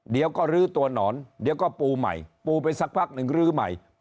เดี๋ยวก็ลื้อตัวหนอนเดี๋ยวก็ปูใหม่ปูไปสักพักหนึ่งลื้อใหม่